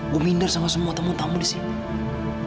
gue minder sama semua temen temen disini